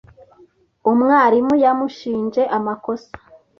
Umwarimu yamushinje amakosa.